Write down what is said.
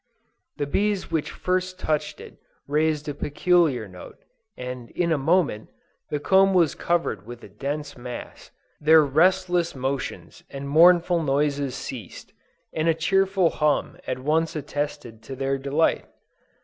The bees which first touched it, raised a peculiar note, and in a moment, the comb was covered with a dense mass; their restless motions and mournful noises ceased, and a cheerful hum at once attested their delight!